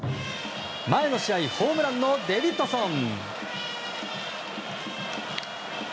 前の試合、ホームランのデビッドソン。